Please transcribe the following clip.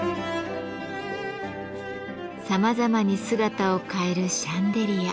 さまざまに姿を変えるシャンデリア。